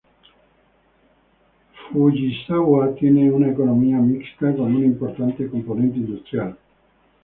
Fujisawa tiene una economía mixta con una importante componente industrial.